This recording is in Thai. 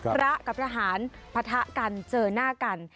พระกับทหารปะทะกันเจอหน้ากัน